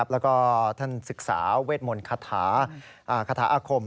แล้วก็ท่านศึกษาเวทมนต์คาถาอาคม